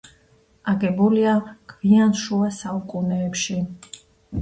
აგებულია გვიან შუა საუკუნეებში.